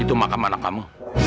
itu makam anak kamu